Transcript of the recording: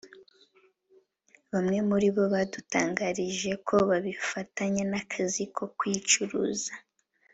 bamwe muri bo badutangarije ko babifatanya n’akazi ko kwicuruza